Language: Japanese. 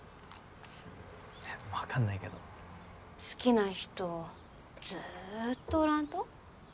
分かんないけど好きな人ずーっとおらんと？